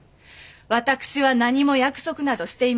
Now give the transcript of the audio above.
私は何も約束などしていません。